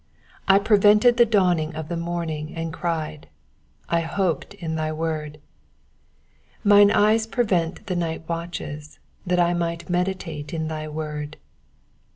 147 I prevented the dawning of the morning, and cried : I hoped in thy word. 148 Mine eyes prevent the night watches, that I might meditate in thy word.